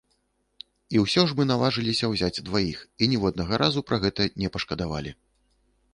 І ўсё ж мы наважыліся ўзяць дваіх і ніводнага разу пра гэта не пашкадавалі.